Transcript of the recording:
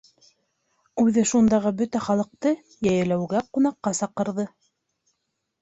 Үҙе шундағы бөтә халыҡты йәйләүгә ҡунаҡҡа саҡырҙы.